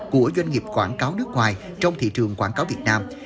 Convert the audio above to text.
của doanh nghiệp quảng cáo nước ngoài trong thị trường quảng cáo việt nam